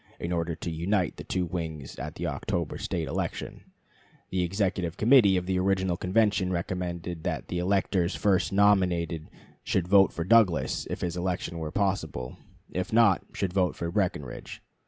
In order to unite the two wings at the October State election, the Executive Committee of the original convention recommended (July 2) that the electors first nominated should vote for Douglas if his election were possible; if not, should vote for Breckinridge.